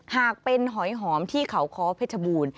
หากเป็นหอยหอมที่เขาค้อเพชรบูรณ์